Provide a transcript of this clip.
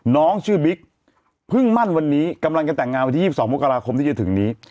น้องชื่อบิ๊กเพิ่งมั่นวันนี้กำลังจะแต่งงานวันที่๒๒มกราคมที่จะถึงนี้